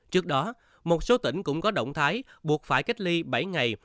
trước đó một số tỉnh cũng có động thái buộc phải cách ly bảy ngày